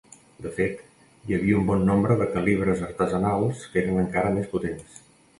De fet, hi havia un bon nombre de calibres artesanals que eren encara més potents.